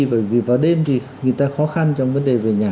bởi vì vào đêm thì người ta khó khăn trong vấn đề về nhà